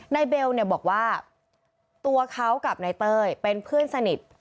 เบลเนี่ยบอกว่าตัวเขากับนายเต้ยเป็นเพื่อนสนิท